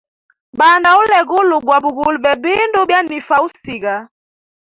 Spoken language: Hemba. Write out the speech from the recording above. Banda ulwegulu gwa bugule bebindu byanifa usiga.